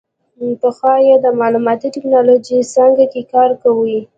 پخوا یې د معلوماتي ټیکنالوژۍ څانګه کې کار کاوه.